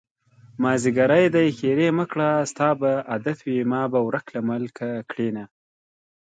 مازديګری دی ښېرې مکړه ستا به عادت وي ما به ورک له ملکه کړينه